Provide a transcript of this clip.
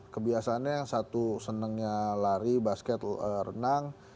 kebiasaannya yang satu senangnya lari basket renang